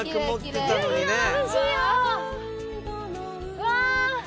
うわ！